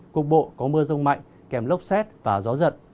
cục bộ có mưa rông mạnh kèm lốc xét và gió giật